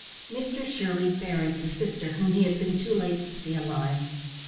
Mr Shirley buried the sister whom he had been too late to see alive.